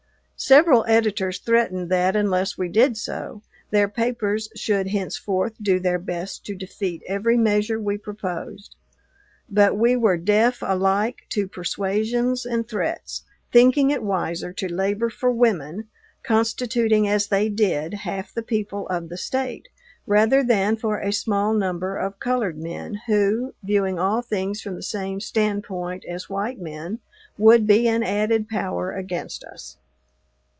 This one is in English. Several editors threatened that, unless we did so, their papers should henceforth do their best to defeat every measure we proposed. But we were deaf alike to persuasions and threats, thinking it wiser to labor for women, constituting, as they did, half the people of the State, rather than for a small number of colored men; who, viewing all things from the same standpoint as white men, would be an added power against us.